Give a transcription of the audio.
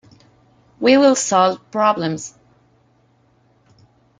We will solve problems.